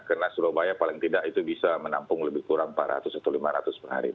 karena surabaya paling tidak itu bisa menampung lebih kurang empat ratus atau lima ratus per hari